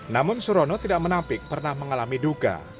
namun surono tidak menampik pernah mengalami duka